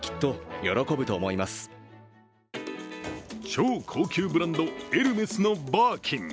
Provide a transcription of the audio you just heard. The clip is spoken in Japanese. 超高級ブランド、エルメスのバーキン。